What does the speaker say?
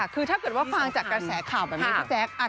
คือถ้าเกิดว่าฟังจากกระแสข่าวแบบนี้